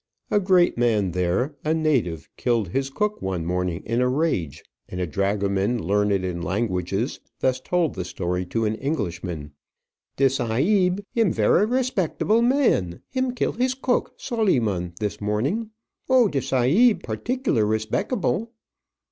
A great man there, a native, killed his cook one morning in a rage; and a dragoman, learned in languages, thus told the story to an Englishman: "De sahib, him vera respecble man. Him kill him cook, Solyman, this morning. Oh, de sahib particklar respecble!"